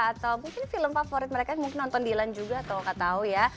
atau mungkin film favorit mereka yang mungkin nonton di ilan juga atau enggak tahu ya